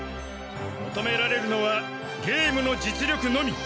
求められるのはゲームの実力のみ。